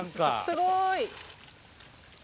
すごい。